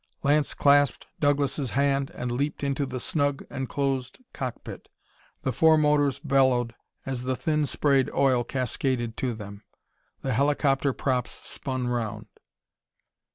Lance clasped Douglas' hand, and leaped into the snug, enclosed cockpit. The four motors bellowed as the thin sprayed oil cascaded to them. The helicopter props spun around.